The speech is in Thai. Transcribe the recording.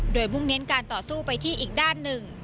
โดยมุ่งเน้นการต่อสู้ไปที่อีกด้านหนึ่ง